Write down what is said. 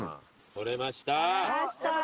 採れました。